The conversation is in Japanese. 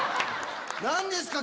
何ですか？